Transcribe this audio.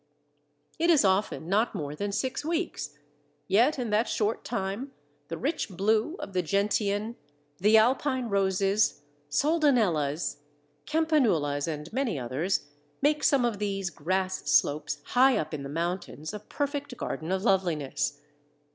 It is often not more than six weeks, yet in that short time the rich blue of the Gentian, the Alpine Roses, Soldanellas, Campanulas, and many others make some of these grass slopes high up in the mountains a perfect garden of loveliness.